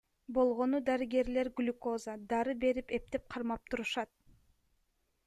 Болгону дарыгерлер глюкоза, дары берип эптеп кармап турушат.